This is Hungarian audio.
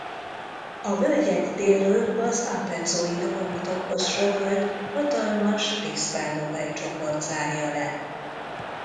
A völgyet délről az Ampezzói-Dolomitokhoz sorolt hatalmas Cristallo-hegycsoport zárja le.